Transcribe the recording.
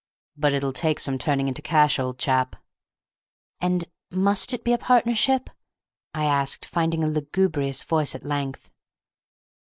"But it'll take some turning into cash, old chap!" "And—must it be a partnership?" I asked, finding a lugubrious voice at length.